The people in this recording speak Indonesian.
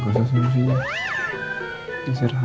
gak usah senyum senyum